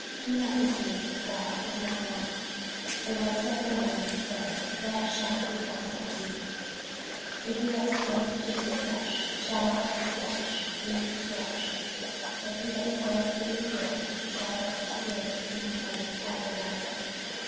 48:006:007 Be not deceived; God is not mocked: for whatsoever a man soweth, that shall he also reap. 48:006:008 For he that soweth to his flesh shall of the flesh reap corruption; but he that soweth to the Spirit shall of the Spirit reap life everlasting.